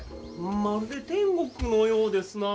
まるで天国のようですなあ。